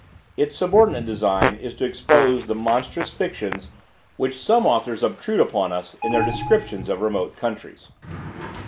Its subordinate design is to expose the monstrous fictions, which some authors obtrude upon us in their descriptions of remote countries.